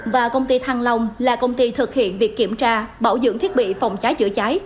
và công ty thăng long là công ty thực hiện việc kiểm tra bảo dưỡng thiết bị phòng cháy chữa cháy